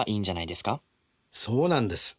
そうなんです。